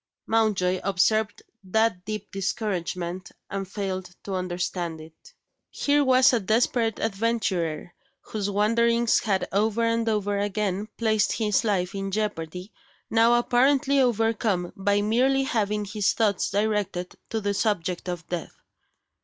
Mountjoy observed that deep discouragement, and failed to understand it. Here was a desperate adventurer, whose wanderings had over and over again placed his life in jeopardy, now apparently overcome by merely having his thoughts directed to the subject of death!